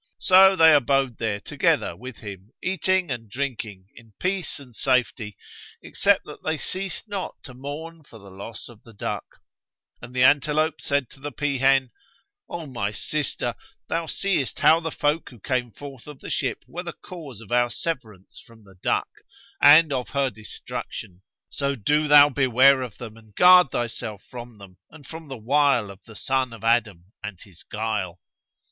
So they abode there together with him, eating and drinking, in peace and safety, except that they ceased not to mourn for the loss of the duck; and the antelope said to the peahen, "O my sister, thou seest how the folk who came forth of the ship were the cause of our severance from the duck and of her destruction; so do thou beware of them and guard thyself from them and from the wile of the son of Adam and his guile."